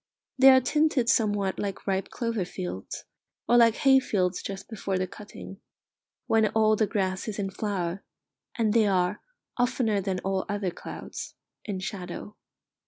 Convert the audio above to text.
They are tinted somewhat like ripe clover fields, or like hay fields just before the cutting, when all the grass is in flower, and they are, oftener than all other clouds, in shadow.